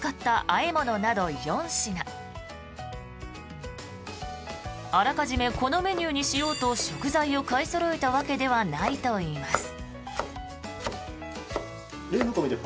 あらかじめこのメニューにしようと食材を買いそろえたわけではないといいます。